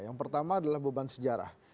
yang pertama adalah beban sejarah